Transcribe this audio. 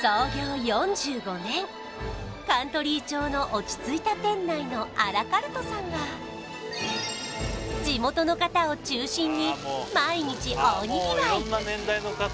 カントリー調の落ち着いた店内のあらかるとさんは地元の方を中心に毎日大にぎわい